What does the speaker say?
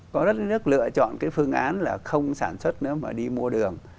có rất ít nước lựa chọn cái phương án là không sản xuất nữa mà đi mua đường